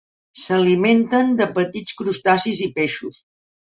S'alimenten de petits crustacis i peixos.